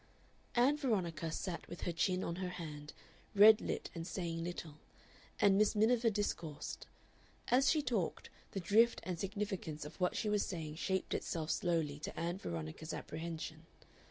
Ann Veronica sat with her chin on her hand, red lit and saying little, and Miss Miniver discoursed. As she talked, the drift and significance of what she was saying shaped itself slowly to Ann Veronica's apprehension.